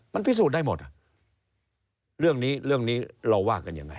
มันพิสูจน์ได้หมดเรื่องนี้เราว่ากันยังไง